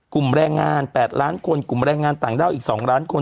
กลุ่มแรงงาน๘ล้านคนกลุ่มแรงงานต่างด้าวอีก๒ล้านคน